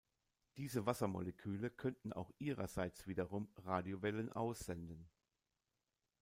Diese Wassermoleküle könnten auch ihrerseits wiederum Radiowellen aussenden.